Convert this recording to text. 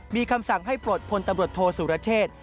มีคำสั่งให้ปลดพลตำรวจโทษสุรเชษ